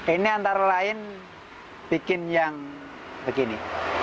ini antara lain membuat yang begini